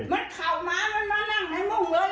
มันข่าวม้ามันมานั่งมันมุ่งเว้ยมาก